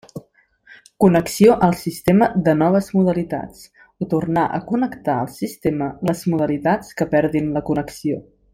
Connexió al sistema de noves modalitats, o tornar a connectar al sistema les modalitats que perdin la connexió.